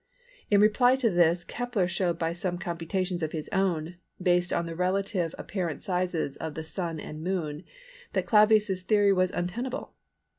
In reply to this Kepler showed by some computations of his own, based on the relative apparent sizes of the Sun and Moon, that Clavius's theory was untenable.